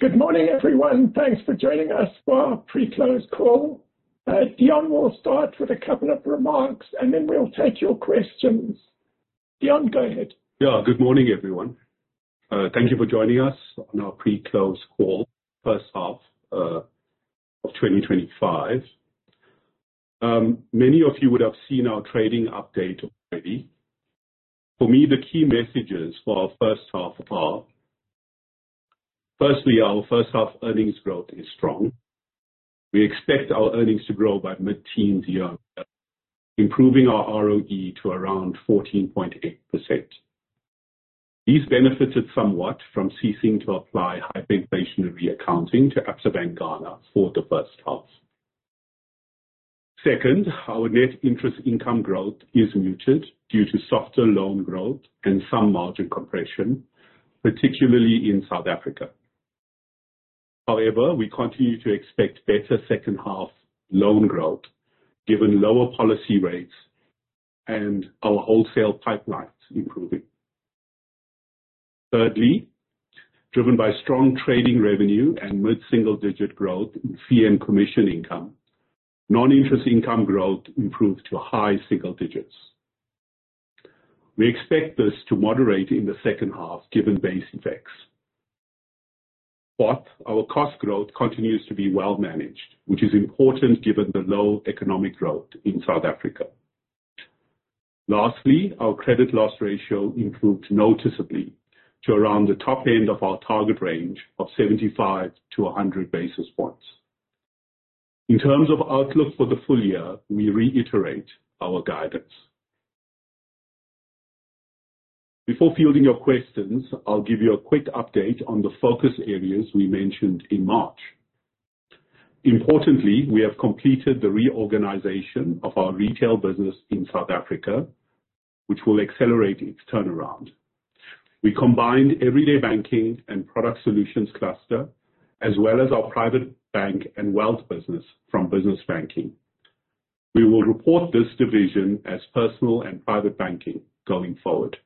Yeah. Good morning, everyone. Thanks for joining us for our pre-close call. Deon will start with a couple of remarks, and then we'll take your questions. Deon, go ahead. Yeah, good morning, everyone. Thank you for joining us on our pre-close call. First half of 2025. Many of you would have seen our trading update already. For me, the key messages for our first half are: Firstly, our first-half earnings growth is strong. We expect our earnings to grow by mid-teens year-end, improving our ROE to around 14.8%. This benefited somewhat from ceasing to apply hyperinflationary accounting to Absa Bank Ghana for the first half. Second, our net interest income growth is muted due to softer loan growth and some margin compression, particularly in South Africa. However, we continue to expect better second-half loan growth, given lower policy rates and our wholesale pipelines improving. Thirdly, driven by strong trading revenue and mid-single-digit growth in fee and commission income, non-interest income growth improved to high single digits. We expect this to moderate in the second half, given base effects. Fourth, our cost growth continues to be well-managed, which is important given the low economic growth in South Africa. Lastly, our credit loss ratio improved noticeably to around the top end of our target range of 75-100 basis points. In terms of outlook for the full year, we reiterate our guidance. Before fielding your questions, I'll give you a quick update on the focus areas we mentioned in March. Importantly, we have completed the reorganization of our retail business in South Africa, which will accelerate its turnaround. We combined everyday banking and product solutions cluster, as well as our private bank and wealth business from business banking. We will report this division as personal and private banking going forward.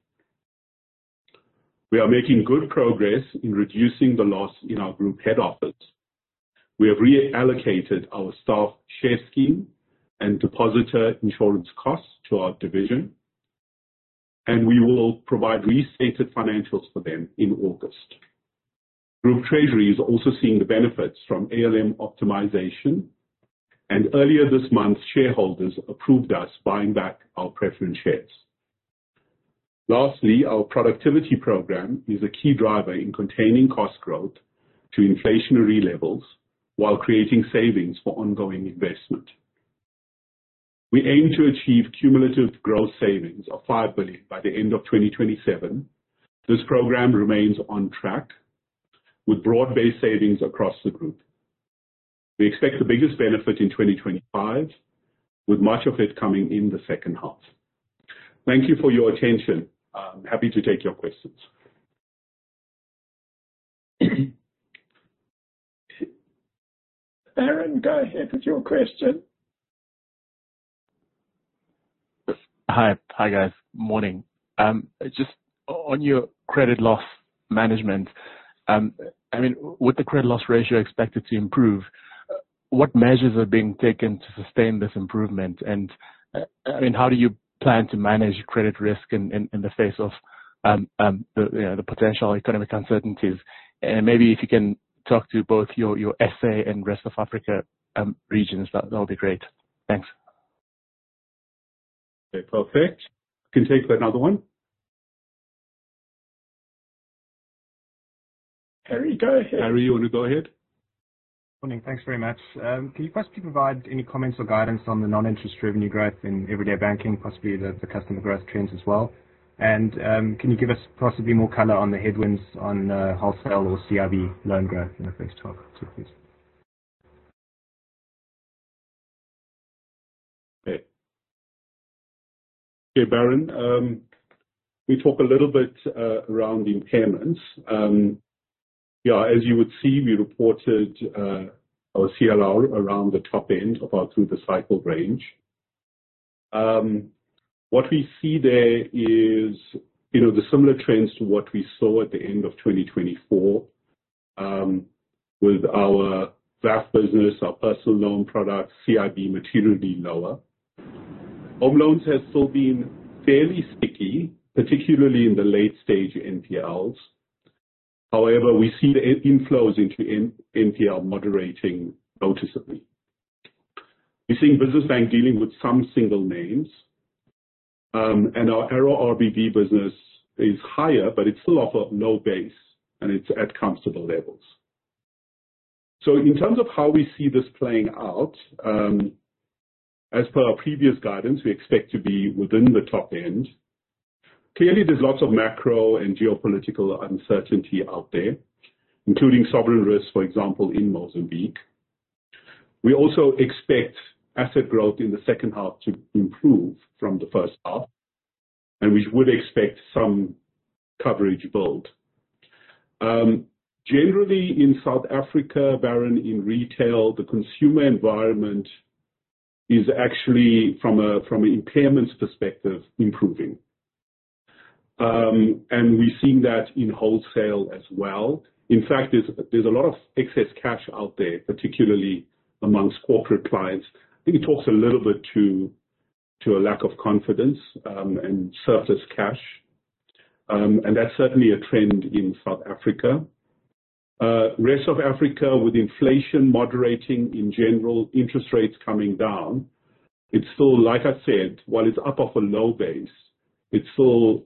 We are making good progress in reducing the loss in our group head office. We have reallocated our staff share scheme and depositor insurance costs to our division, and we will provide restated financials for them in August. Group Treasury is also seeing the benefits from ALM optimization, and earlier this month, shareholders approved us buying back our preference shares. Lastly, our productivity program is a key driver in containing cost growth to inflationary levels while creating savings for ongoing investment. We aim to achieve cumulative gross savings of $5 billion by the end of 2027. This program remains on track, with broad-based savings across the group. We expect the biggest benefit in 2025, with much of it coming in the second half. Thank you for your attention. I'm happy to take your questions. Aaron, go ahead with your question. Hi, guys. Morning. Just on your credit loss management, I mean, with the credit loss ratio expected to improve, what measures are being taken to sustain this improvement? I mean, how do you plan to manage credit risk in the face of the potential economic uncertainties? Maybe if you can talk to both your SA and rest of Africa regions, that would be great. Thanks. Okay, perfect. Can you take another one? Harry, go ahead. Harry, you want to go ahead? Morning. Thanks very much. Can you possibly provide any comments or guidance on the non-interest revenue growth in everyday banking, possibly the customer growth trends as well? Can you give us possibly more color on the headwinds on wholesale or CRV loan growth in the first half, too, please? Okay. Okay, Barron. We talk a little bit around the impairments. Yeah, as you would see, we reported our CLR around the top end of our through-the-cycle range. What we see there is the similar trends to what we saw at the end of 2024, with our VAF business, our personal loan product, CRV materially lower. Home loans have still been fairly sticky, particularly in the late-stage NPLs. However, we see the inflows into NPL moderating noticeably. We're seeing business bank dealing with some single names, and our RORBB business is higher, but it's still off of low base, and it's at comfortable levels. In terms of how we see this playing out, as per our previous guidance, we expect to be within the top end. Clearly, there's lots of macro and geopolitical uncertainty out there, including sovereign risk, for example, in Mozambique. We also expect asset growth in the second half to improve from the first half, and we would expect some coverage build. Generally, in South Africa, Barron, in retail, the consumer environment is actually, from an impairments perspective, improving. We are seeing that in wholesale as well. In fact, there is a lot of excess cash out there, particularly amongst corporate clients. I think it talks a little bit to a lack of confidence and surplus cash. That is certainly a trend in South Africa. Rest of Africa, with inflation moderating in general, interest rates coming down, it is still, like I said, while it is up off a low base, it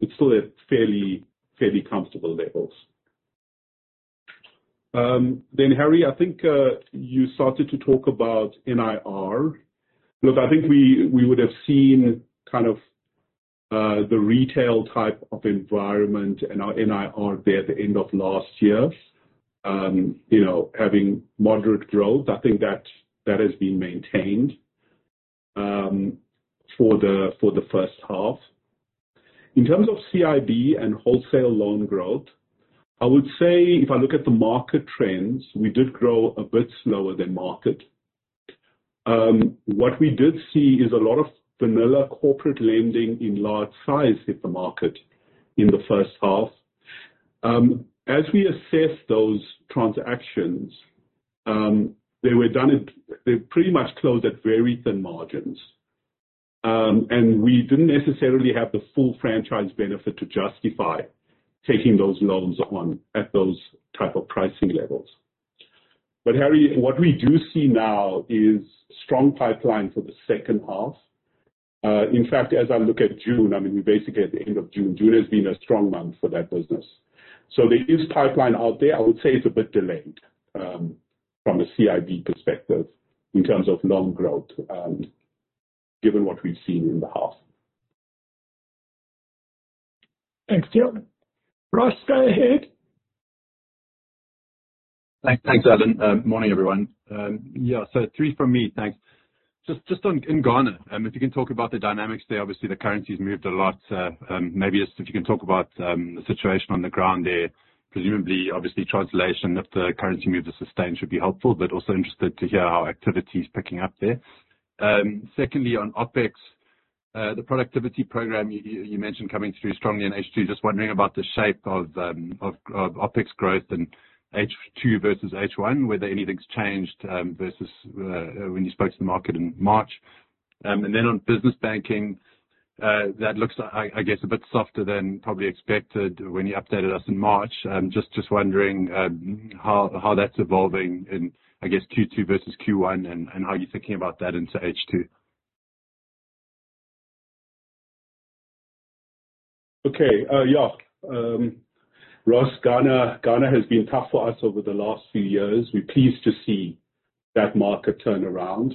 is still at fairly comfortable levels. Harry, I think you started to talk about NIR. Look, I think we would have seen kind of the retail type of environment and our NIR there at the end of last year, having moderate growth. I think that has been maintained for the first half. In terms of CIB and wholesale loan growth, I would say, if I look at the market trends, we did grow a bit slower than market. What we did see is a lot of vanilla corporate lending in large size hit the market in the first half. As we assess those transactions, they were done at they pretty much closed at very thin margins, and we did not necessarily have the full franchise benefit to justify taking those loans on at those type of pricing levels. Harry, what we do see now is strong pipeline for the second half. In fact, as I look at June, I mean, we're basically at the end of June. June has been a strong month for that business. There is pipeline out there. I would say it's a bit delayed from a CIB perspective in terms of loan growth, given what we've seen in the half. Thanks Deon. Ross, go ahead. Thanks, Alan. Morning, everyone. Yeah, so three from me. Thanks. Just in Ghana, if you can talk about the dynamics there, obviously, the currency has moved a lot. Maybe if you can talk about the situation on the ground there, presumably, obviously, translation of the currency move to sustain should be helpful, but also interested to hear how activity is picking up there. Secondly, on OPEX, the productivity program you mentioned coming through strongly in H2, just wondering about the shape of OPEX growth in H2 versus H1, whether anything's changed versus when you spoke to the market in March. And then on business banking, that looks, I guess, a bit softer than probably expected when you updated us in March. Just wondering how that's evolving in, I guess, Q2 versus Q1 and how you're thinking about that into H2. Okay. Yeah. Ross, Ghana has been tough for us over the last few years. We're pleased to see that market turn around.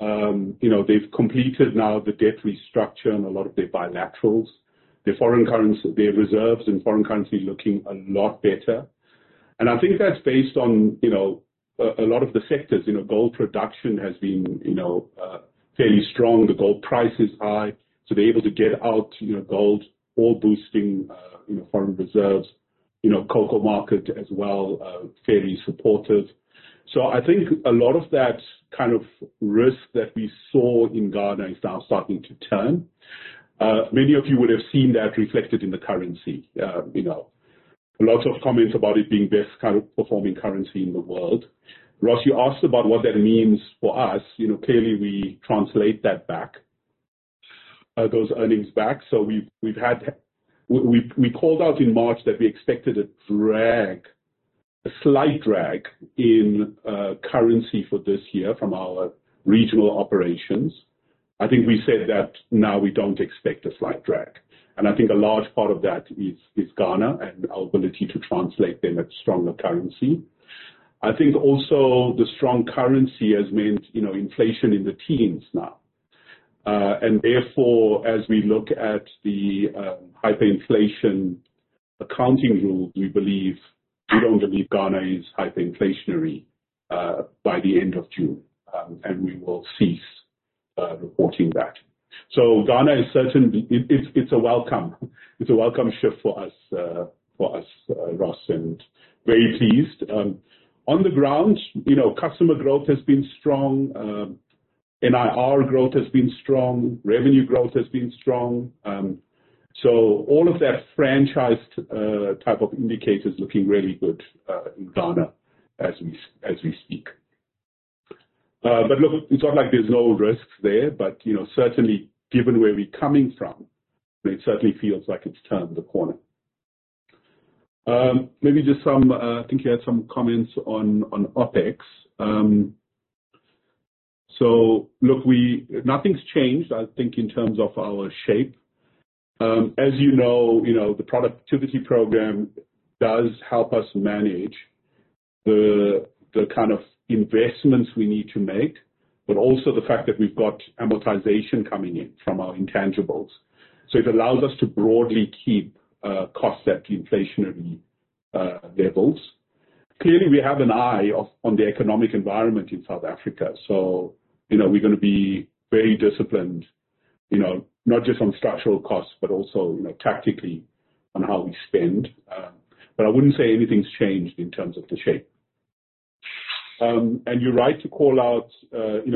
They've completed now the debt restructure and a lot of their bilaterals. Their reserves in foreign currency are looking a lot better. I think that's based on a lot of the sectors. Gold production has been fairly strong. The gold price is high, so they're able to get out gold, all boosting foreign reserves. Cocoa market as well, fairly supportive. I think a lot of that kind of risk that we saw in Ghana is now starting to turn. Many of you would have seen that reflected in the currency. Lots of comments about it being best kind of performing currency in the world. Ross, you asked about what that means for us. Clearly, we translate that back, those earnings back. We called out in March that we expected a slight drag in currency for this year from our regional operations. I think we said that now we do not expect a slight drag. I think a large part of that is Ghana and our ability to translate them at stronger currency. I think also the strong currency has meant inflation in the teens now. Therefore, as we look at the hyperinflation accounting rules, we believe we do not believe Ghana is hyperinflationary by the end of June, and we will cease reporting that. Ghana is certainly a welcome shift for us, Ross, and very pleased. On the ground, customer growth has been strong. NIR growth has been strong. Revenue growth has been strong. All of that franchised type of indicators looking really good in Ghana as we speak. Look, it's not like there's no risks there, but certainly, given where we're coming from, it certainly feels like it's turned the corner. Maybe just some, I think you had some comments on OPEX. Look, nothing's changed, I think, in terms of our shape. As you know, the productivity program does help us manage the kind of investments we need to make, but also the fact that we've got amortization coming in from our intangibles. It allows us to broadly keep costs at inflationary levels. Clearly, we have an eye on the economic environment in South Africa. We're going to be very disciplined, not just on structural costs, but also tactically on how we spend. I wouldn't say anything's changed in terms of the shape. You're right to call out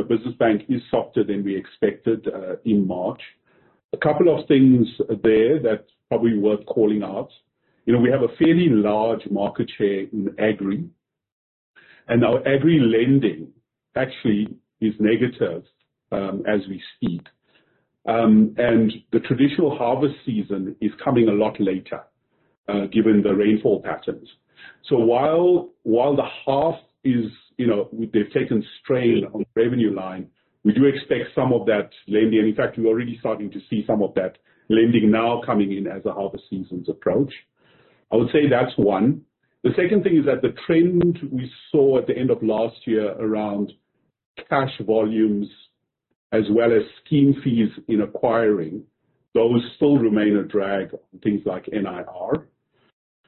business bank is softer than we expected in March. A couple of things there that are probably worth calling out. We have a fairly large market share in agri, and our agri lending actually is negative as we speak. The traditional harvest season is coming a lot later given the rainfall patterns. While the half has taken strain on the revenue line, we do expect some of that lending, and in fact, we are already starting to see some of that lending now coming in as the harvest season approaches. I would say that is one. The second thing is that the trend we saw at the end of last year around cash volumes as well as scheme fees in acquiring still remain a drag on things like NIR.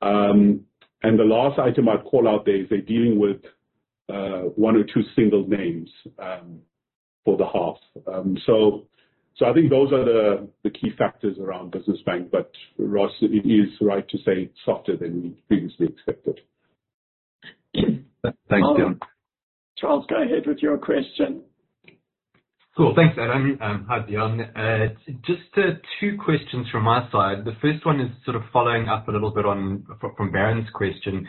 The last item I would call out there is they are dealing with one or two single names for the half. I think those are the key factors around business bank, but Ross, it is right to say softer than we previously expected. Thanks, Deon. Charles, go ahead with your question. Cool. Thanks, Alan. Hi, Deon. Just two questions from my side. The first one is sort of following up a little bit from Barron's question.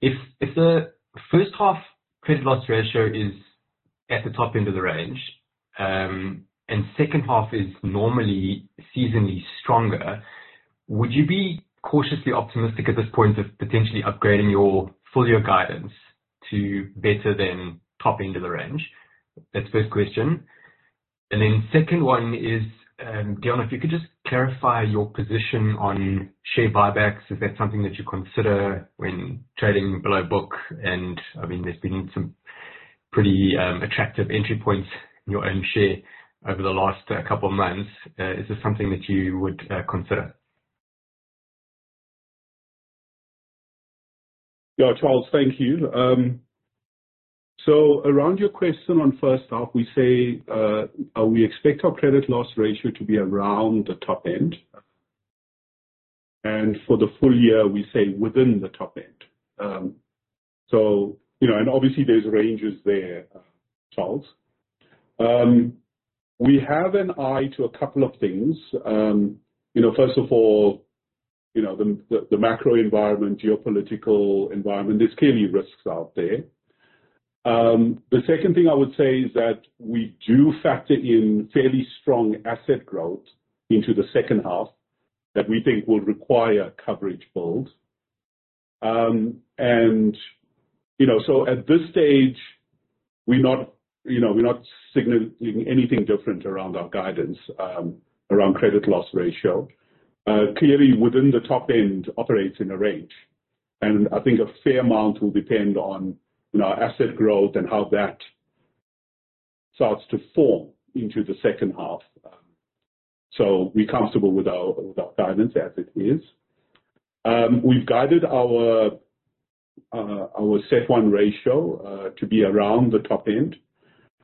If the first half credit loss ratio is at the top end of the range and second half is normally seasonally stronger, would you be cautiously optimistic at this point of potentially upgrading your full year guidance to better than top end of the range? That's the first question. Then second one is, Deon, if you could just clarify your position on share buybacks. Is that something that you consider when trading below book? I mean, there's been some pretty attractive entry points in your own share over the last couple of months. Is this something that you would consider? Yeah, Charles, thank you. Around your question on first half, we say we expect our credit loss ratio to be around the top end. For the full year, we say within the top end. Obviously, there are ranges there, Charles. We have an eye to a couple of things. First of all, the macro environment, geopolitical environment, there are clearly risks out there. The second thing I would say is that we do factor in fairly strong asset growth into the second half that we think will require coverage build. At this stage, we are not signaling anything different around our guidance around credit loss ratio. Clearly, within the top end, operates in a range. I think a fair amount will depend on our asset growth and how that starts to form into the second half. We are comfortable with our guidance as it is. We've guided our CET1 ratio to be around the top end.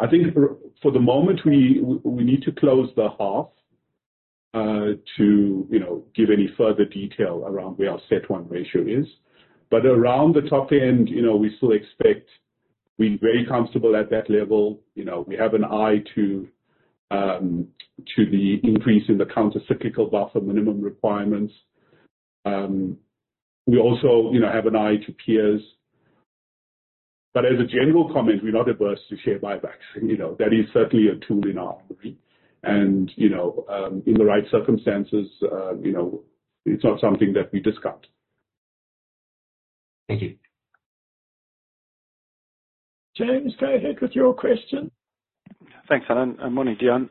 I think for the moment, we need to close the half to give any further detail around where our CET1 ratio is. But around the top end, we still expect. We're very comfortable at that level. We have an eye to the increase in the countercyclical buffer minimum requirements. We also have an eye to peers. As a general comment, we're not averse to share buybacks. That is certainly a tool in our artery. In the right circumstances, it's not something that we discount. Thank you. James, go ahead with your question. Thanks, Alan. Morning, Deon.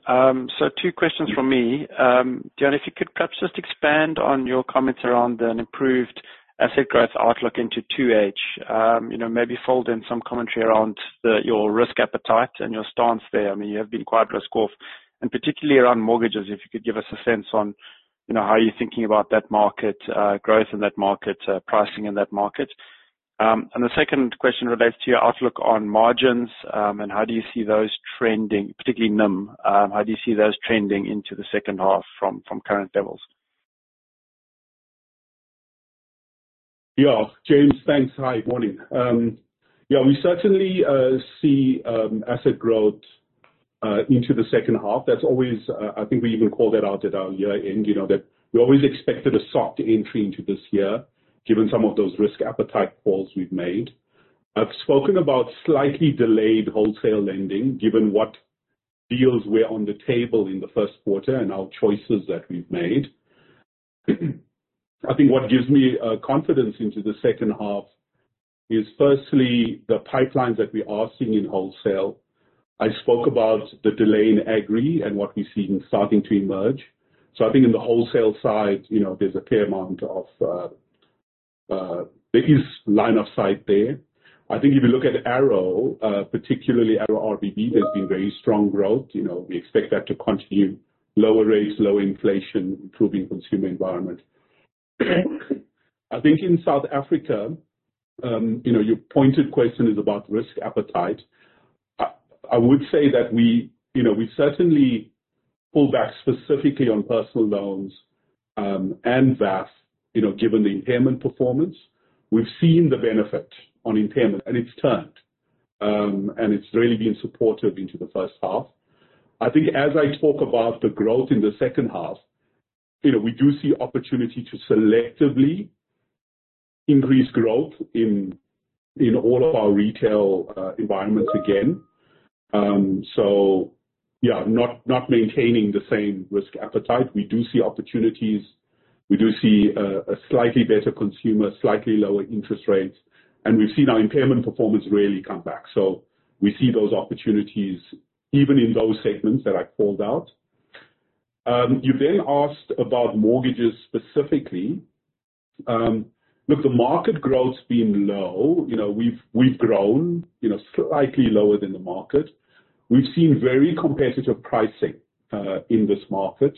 Two questions from me. Deon, if you could perhaps just expand on your comments around an improved asset growth outlook into 2024, maybe fold in some commentary around your risk appetite and your stance there. I mean, you have been quite risk-off, and particularly around mortgages, if you could give us a sense on how you're thinking about that market growth and that market pricing in that market. The second question relates to your outlook on margins and how do you see those trending, particularly NIM. How do you see those trending into the second half from current levels? Yeah. James, thanks. Hi, morning. Yeah, we certainly see asset growth into the second half. That's always, I think we even called that out at our year-end, that we always expected a soft entry into this year, given some of those risk appetite calls we've made. I've spoken about slightly delayed wholesale lending, given what deals were on the table in the first quarter and our choices that we've made. I think what gives me confidence into the second half is, firstly, the pipelines that we are seeing in wholesale. I spoke about the delay in agri and what we've seen starting to emerge. I think in the wholesale side, there is a fair amount of, there is line of sight there. I think if you look at Arrow, particularly Arrow RBB, there's been very strong growth. We expect that to continue: lower rates, lower inflation, improving consumer environment. I think in South Africa, your pointed question is about risk appetite. I would say that we certainly pull back specifically on personal loans and VAS, given the impairment performance. We've seen the benefit on impairment, and it's turned, and it's really been supportive into the first half. I think as I talk about the growth in the second half, we do see opportunity to selectively increase growth in all of our retail environments again. Yeah, not maintaining the same risk appetite. We do see opportunities. We do see a slightly better consumer, slightly lower interest rates. We've seen our impairment performance really come back. We see those opportunities even in those segments that I've called out. You've then asked about mortgages specifically. Look, the market growth's been low. We've grown slightly lower than the market. We've seen very competitive pricing in this market.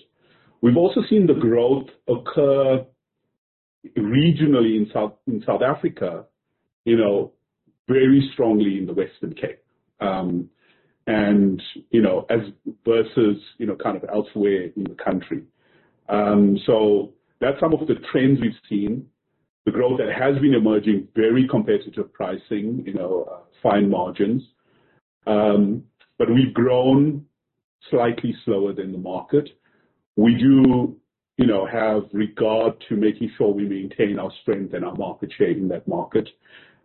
We've also seen the growth occur regionally in South Africa, very strongly in the Western Cape versus kind of elsewhere in the country. That's some of the trends we've seen: the growth that has been emerging, very competitive pricing, fine margins. We've grown slightly slower than the market. We do have regard to making sure we maintain our strength and our market share in that market.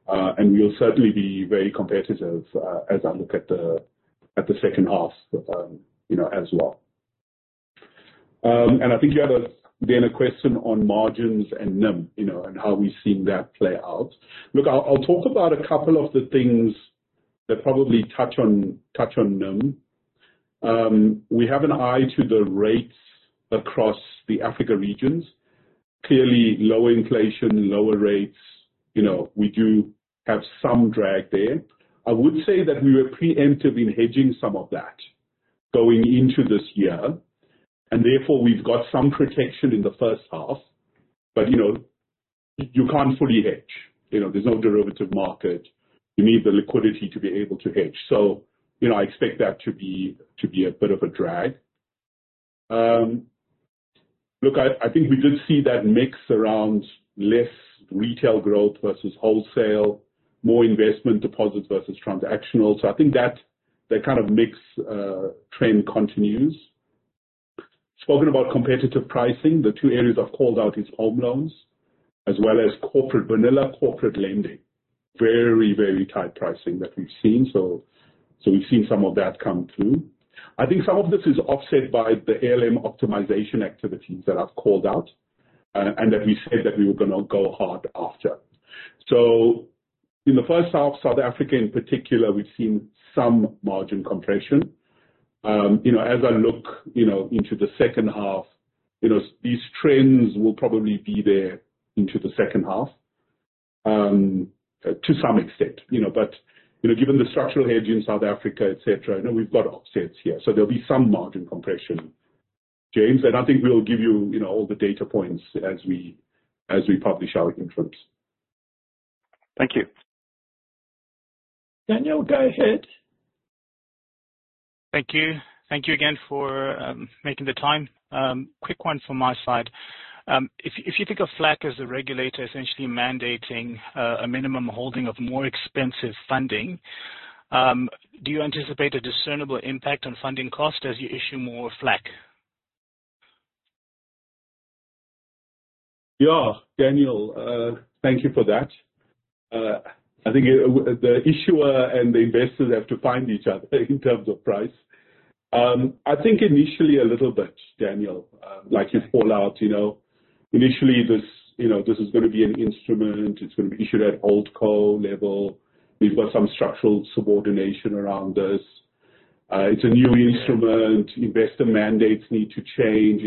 We'll certainly be very competitive as I look at the second half as well. I think you have then a question on margins and NIM and how we've seen that play out. Look, I'll talk about a couple of the things that probably touch on NIM. We have an eye to the rates across the Africa regions. Clearly, lower inflation, lower rates. We do have some drag there. I would say that we were preemptive in hedging some of that going into this year. Therefore, we've got some protection in the first half. You can't fully hedge. There's no derivative market. You need the liquidity to be able to hedge. I expect that to be a bit of a drag. Look, I think we did see that mix around less retail growth versus wholesale, more investment deposits versus transactional. I think that kind of mix trend continues. Spoken about competitive pricing. The two areas I've called out are home loans as well as corporate vanilla corporate lending, very, very tight pricing that we've seen. We've seen some of that come through. I think some of this is offset by the ALM optimization activities that I've called out and that we said that we were going to go hard after. In the first half, South Africa in particular, we've seen some margin compression. As I look into the second half, these trends will probably be there into the second half to some extent. Given the structural hedge in South Africa, etc., we've got offsets here. There'll be some margin compression, James. I think we'll give you all the data points as we publish our interims. Thank you. Daniel, go ahead. Thank you. Thank you again for making the time. Quick one from my side. If you think of FLAC as a regulator essentially mandating a minimum holding of more expensive funding, do you anticipate a discernible impact on funding cost as you issue more FLAC? Yeah, Daniel, thank you for that. I think the issuer and the investors have to find each other in terms of price. I think initially a little bit, Daniel, like you've called out. Initially, this is going to be an instrument. It's going to be issued at Old Coal level. We've got some structural subordination around this. It's a new instrument. Investor mandates need to change.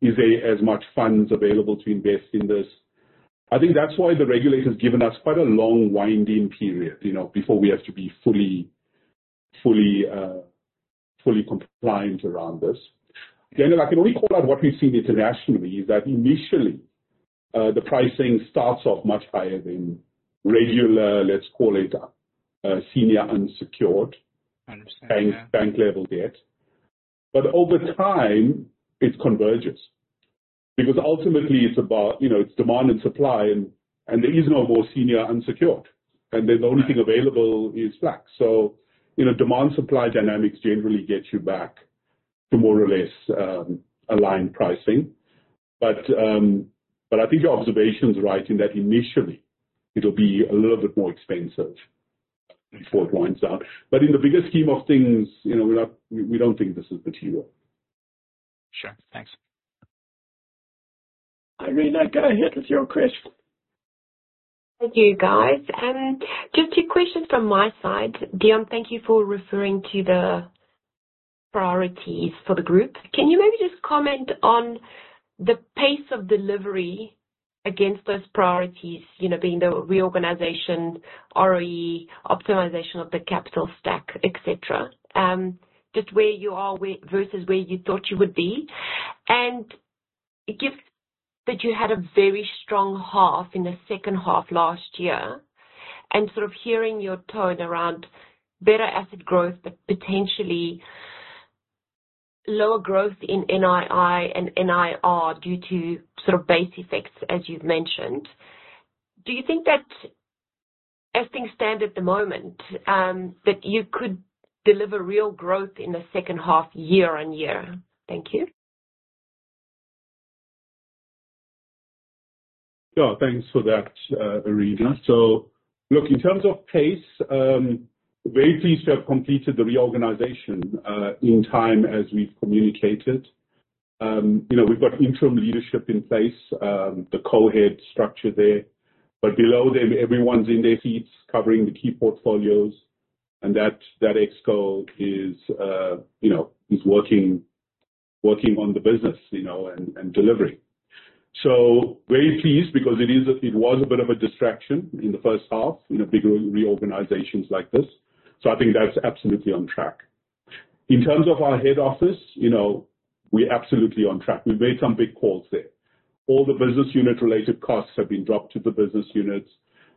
Is there as much funds available to invest in this? I think that's why the regulator's given us quite a long winding period before we have to be fully compliant around this. Daniel, I can only call out what we've seen internationally is that initially, the pricing starts off much higher than regular, let's call it, senior unsecured bank level debt. Over time, it converges because ultimately, it's demand and supply, and there is no more senior unsecured. The only thing available is FLAC. Demand-supply dynamics generally get you back to more or less aligned pricing. I think your observation's right in that initially, it'll be a little bit more expensive before it winds up. In the bigger scheme of things, we do not think this is material. Sure. Thanks. Irene, go ahead with your question. Thank you, guys. Just two questions from my side. Deon, thank you for referring to the priorities for the group. Can you maybe just comment on the pace of delivery against those priorities, being the reorganization, ROE, optimization of the capital stack, etc., just where you are versus where you thought you would be? It gives that you had a very strong half in the second half last year. Sort of hearing your tone around better asset growth, but potentially lower growth in NII and NIR due to sort of base effects, as you've mentioned, do you think that, as things stand at the moment, that you could deliver real growth in the second half year on year? Thank you. Yeah, thanks for that, Irene. Look, in terms of pace, very pleased we have completed the reorganization in time as we've communicated. We've got interim leadership in place, the co-head structure there. Below them, everyone's in their seats covering the key portfolios. That exco is working on the business and delivery. Very pleased because it was a bit of a distraction in the first half, big reorganizations like this. I think that's absolutely on track. In terms of our head office, we're absolutely on track. We've made some big calls there. All the business unit-related costs have been dropped to the business units.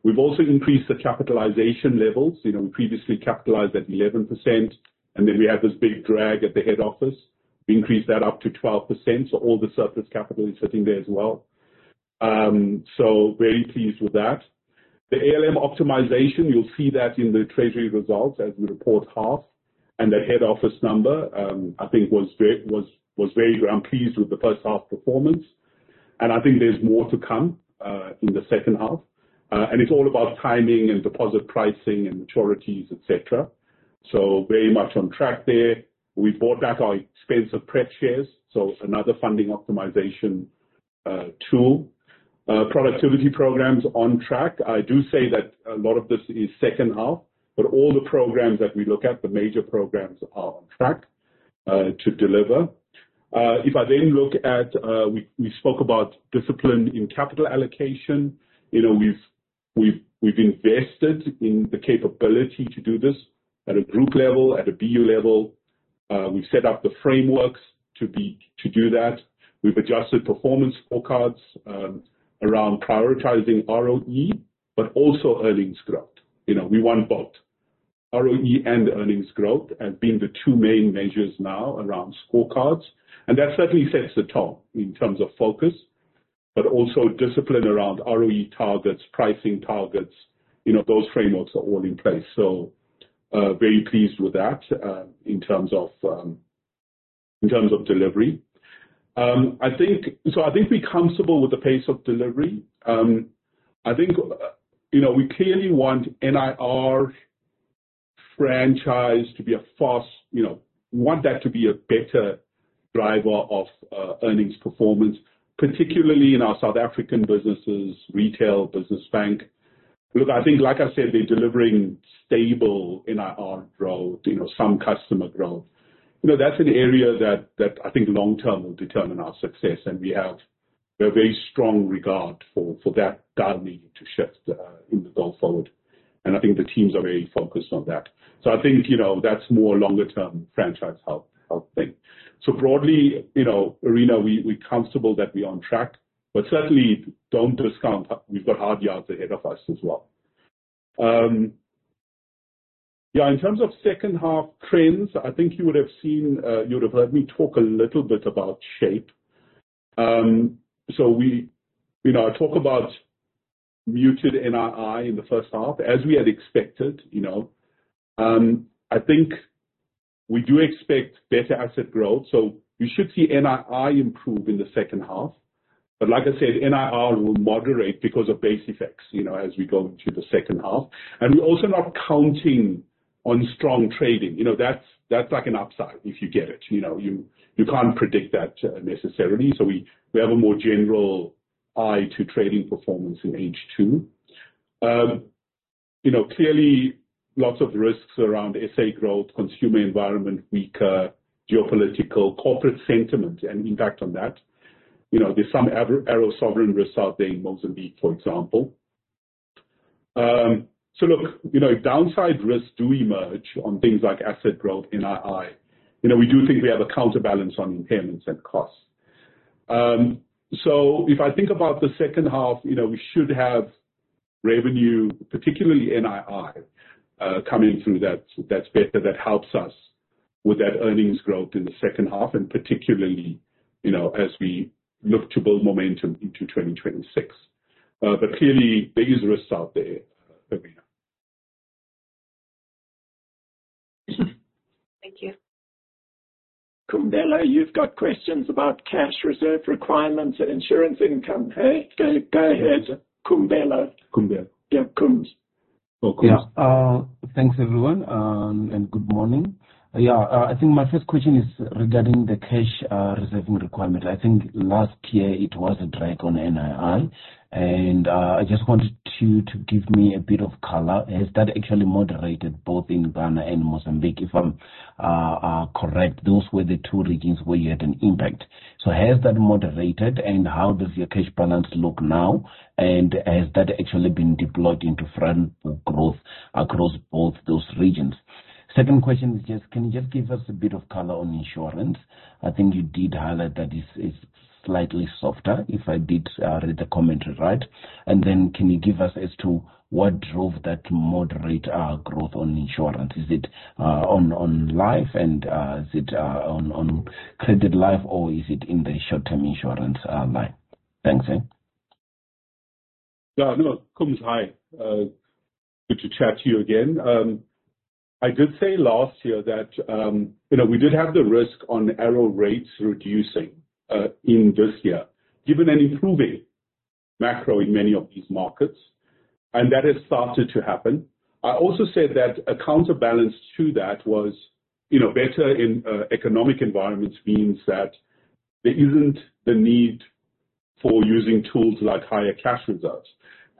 We've also increased the capitalization levels. We previously capitalized at 11%. Then we had this big drag at the head office. We increased that up to 12%. All the surplus capital is sitting there as well. Very pleased with that. The ALM optimization, you'll see that in the treasury results as we report half. The head office number, I think, was very good. I'm pleased with the first half performance. I think there's more to come in the second half. It's all about timing and deposit pricing and maturities, etc. Very much on track there. We bought back our expensive Pratt Shares, so another funding optimization tool. Productivity programs on track. I do say that a lot of this is second half. All the programs that we look at, the major programs are on track to deliver. If I then look at we spoke about discipline in capital allocation. We've invested in the capability to do this at a group level, at a BU level. We've set up the frameworks to do that. We've adjusted performance scorecards around prioritizing ROE, but also earnings growth. We want both ROE and earnings growth as being the two main measures now around scorecards. That certainly sets the tone in terms of focus, but also discipline around ROE targets, pricing targets. Those frameworks are all in place. Very pleased with that in terms of delivery. I think we're comfortable with the pace of delivery. I think we clearly want NIR franchise to be a force; we want that to be a better driver of earnings performance, particularly in our South African businesses, retail, business bank. Look, I think, like I said, they're delivering stable NIR growth, some customer growth. That's an area that I think long-term will determine our success. We have a very strong regard for darling, to shift in the goal forward. I think the teams are very focused on that. I think that's more longer-term franchise health thing. Broadly, Irene, we're comfortable that we're on track. Certainly, don't discount we've got hard yards ahead of us as well. In terms of second half trends, I think you would have seen you would have heard me talk a little bit about shape. I talk about muted NII in the first half, as we had expected. I think we do expect better asset growth. We should see NII improve in the second half. Like I said, NIR will moderate because of base effects as we go into the second half. We're also not counting on strong trading. That's like an upside if you get it. You can't predict that necessarily. We have a more general eye to trading performance in H2. Clearly, lots of risks around SA growth, consumer environment, weaker geopolitical corporate sentiment, and impact on that. There's some Arrow Sovereign risk out there in Mozambique, for example. Look, downside risks do emerge on things like asset growth, NII. We do think we have a counterbalance on impairments and costs. If I think about the second half, we should have revenue, particularly NII, coming through that's better. That helps us with that earnings growth in the second half, and particularly as we look to build momentum into 2026. Clearly, there is risk out there, Irene. Thank you. Kumbela, you've got questions about cash reserve requirements and insurance income. Hey, go ahead, Kumbela. Kumbela. Yeah, Kums. Thanks, everyone. Good morning. I think my first question is regarding the cash reserving requirement. I think last year, it was a drag on NII. I just wanted you to give me a bit of color. Has that actually moderated both in Ghana and Mozambique, if I'm correct? Those were the two regions where you had an impact. Has that moderated? How does your cash balance look now? Has that actually been deployed into front growth across both those regions? Second question is, can you just give us a bit of color on insurance? I think you did highlight that it's slightly softer if I did read the commentary right. Can you give us as to what drove that moderate growth on insurance? Is it on life and is it on credit life, or is it in the short-term insurance line? Thanks, Yeah, look, Kums, hi. Good to chat to you again. I did say last year that we did have the risk on Arrow rates reducing in this year, given an improving macro in many of these markets. That has started to happen. I also said that a counterbalance to that was better in economic environments means that there is not the need for using tools like higher cash reserves.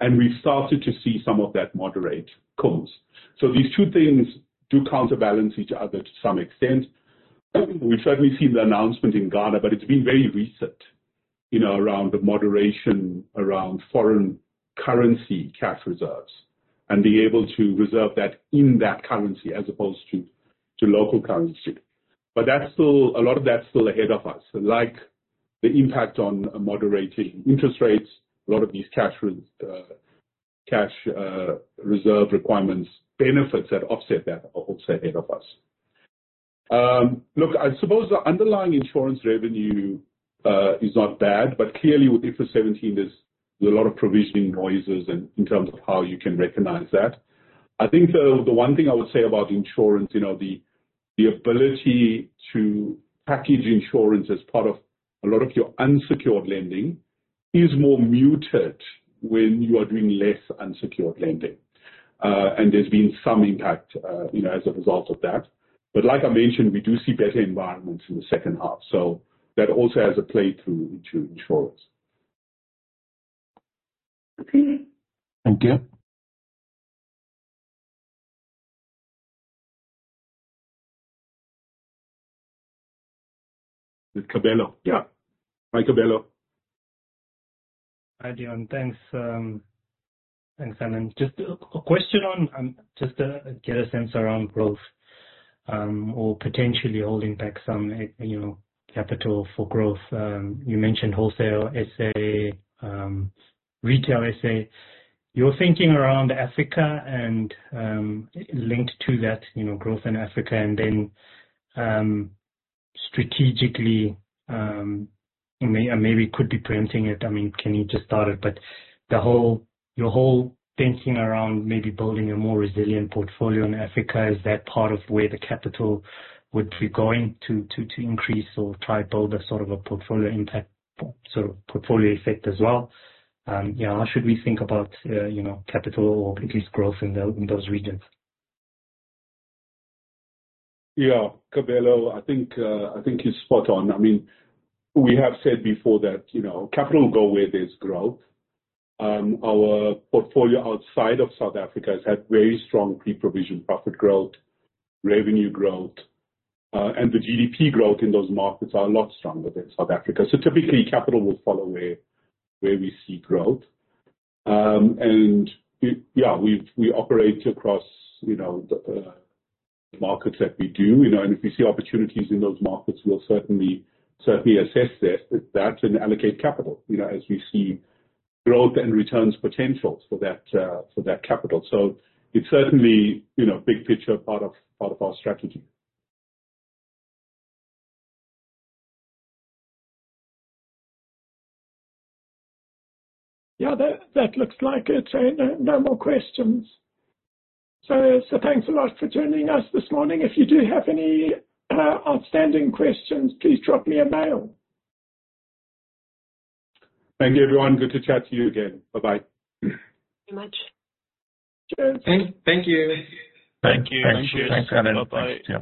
We have started to see some of that moderate, Kums. These two things do counterbalance each other to some extent. We have certainly seen the announcement in Ghana, but it has been very recent around the moderation around foreign currency cash reserves and being able to reserve that in that currency as opposed to local currency. A lot of that's still ahead of us, like the impact on moderating interest rates, a lot of these cash reserve requirements, benefits that offset that are also ahead of us. Look, I suppose the underlying insurance revenue is not bad. Clearly, with IFRS 17, there's a lot of provisioning noises in terms of how you can recognize that. I think the one thing I would say about insurance, the ability to package insurance as part of a lot of your unsecured lending is more muted when you are doing less unsecured lending. There's been some impact as a result of that. Like I mentioned, we do see better environments in the second half. That also has a playthrough into insurance. Thank you. With Cabello. Yeah. Hi, Cabello. Hi, Deon. Thanks. Thanks, Alan. Just a question on just to get a sense around growth or potentially holding back some capital for growth. You mentioned wholesale SA, retail SA. You were thinking around Africa and linked to that growth in Africa. And then strategically, maybe could be preempting it. I mean, can you just start it? But your whole thinking around maybe building a more resilient portfolio in Africa, is that part of where the capital would be going to increase or try to build a sort of a portfolio impact sort of portfolio effect as well? Yeah, how should we think about capital or at least growth in those regions? Yeah, Cabello, I think you're spot on. I mean, we have said before that capital will go where there's growth. Our portfolio outside of South Africa has had very strong pre-provision profit growth, revenue growth. The GDP growth in those markets are a lot stronger than South Africa. Typically, capital will follow where we see growth. Yeah, we operate across the markets that we do. If we see opportunities in those markets, we'll certainly assess that and allocate capital as we see growth and returns potentials for that capital. It is certainly a big picture part of our strategy. That looks like it. No more questions. Thanks a lot for joining us this morning. If you do have any outstanding questions, please drop me a mail. Thank you, everyone. Good to chat to you again. Bye-bye. Thank you very much. Cheers. Thank you. Thank you. Thank you. Thanks, Alan. Bye-bye.